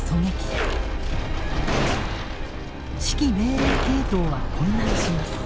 指揮命令系統は混乱します。